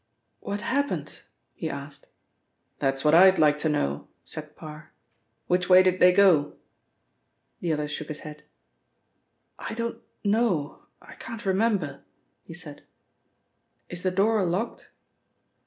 "What happened?" he asked. "That's what I'd like to know," said Parr. "Which way did they go?" The other shook his head. "I don't know, I can't remember," he said. "Is the door locked?"